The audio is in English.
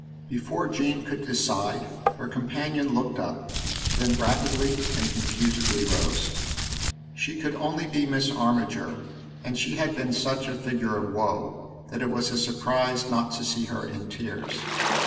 Before Jean could decide her com panion looked up, then rapidly and confusedly rose. She could only be Miss Armiger, and she had b^sn such a figure of woe that it was a surprise not to see her in tears.